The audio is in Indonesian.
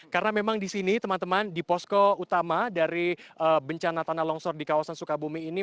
karena memang di sini teman teman di posko utama dari bencana tanah longsor di kawasan sukabumi ini